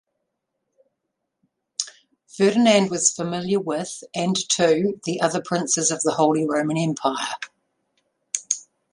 Ferdinand was familiar with, and to, the other princes of the Holy Roman Empire.